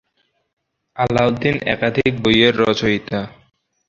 আলাউদ্দিন একাধিক বইয়ের রচয়িতা।